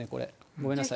ごめんなさい。